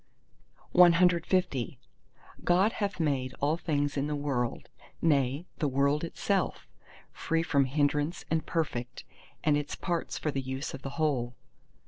CLI God hath made all things in the world, nay, the world itself, free from hindrance and perfect, and its parts for the use of the whole.